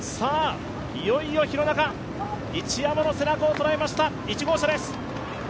いよいよ廣中、一山の背中を捉えました！